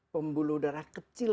pembuluh darah kecil